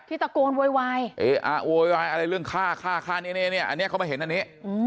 ที่ตะโกนโวยอะไรเรื่องฆ่าเนี้ยเนี้ยเขามาเห็นอันนี้